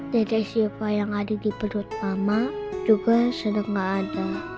dada siva yang ada di perut mama juga sudah gak ada